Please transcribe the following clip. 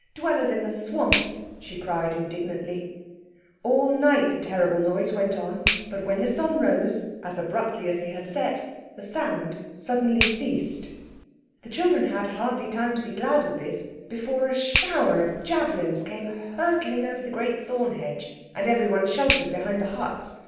Dwellers in the swamps!" she cried indignantly. All night the terrible noise went on, but when the sun rose, as abruptly as he had set, the sound suddenly ceased. The children had hardly time to be glad of this before a shower of javelins came hurtling over the great thorn hedge, and everyone sheltered behind the huts.